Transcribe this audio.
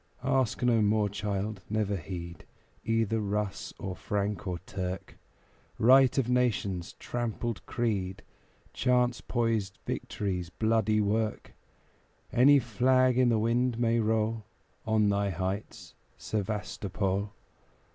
Ask no more, child. Never heed Either Russ, or Frank, or Turk; Right of nations, trampled creed, Chance poised victory's bloody work; Any flag i' the wind may roll On thy heights, Sevastopol!